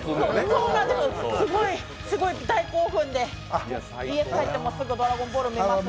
すごい大興奮で、家帰ってすぐ「ドラゴンボール」見ます。